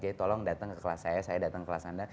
jadi tolong datang ke kelas saya saya datang ke kelas anda